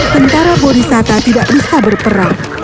tentara borisata tidak bisa berperang